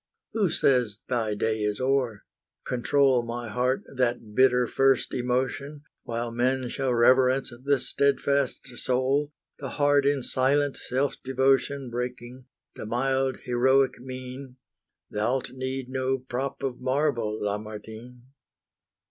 Who says thy day is o'er? Control, My heart, that bitter first emotion; While men shall reverence the steadfast soul, The heart in silent self devotion Breaking, the mild, heroic mien, Thou'lt need no prop of marble, Lamartine.